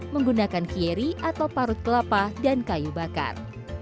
menggunakan kieri atau parut kelapa dan kayu bakar